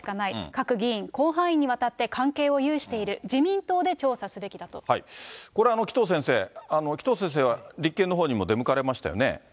各議員、広範囲にわたって関係を有している、自民党で調査すべきこれ、紀藤先生、紀藤先生は立憲のほうにも出向かれましたよね。